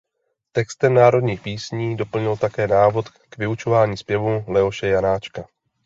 Textem národních písní doplnil také "Návod k vyučování zpěvu" Leoše Janáčka.